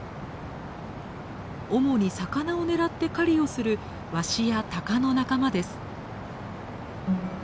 主に魚を狙って狩りをするワシやタカの仲間です。